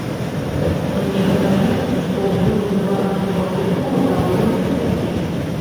Мне падаецца, што ўзровень беларускага футбола даволі высокі.